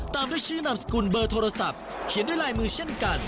ตามด้วยชื่อนามสกุลเบอร์โทรศัพท์เขียนด้วยลายมือเช่นกัน